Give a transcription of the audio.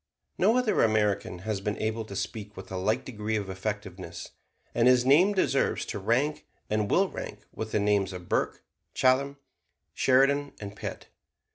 No other American has been able to speak with a like degree of effectiveness; and his name deserves to rank, and will rank, with the names of Burke, Chatham, Sheridan and Pitt.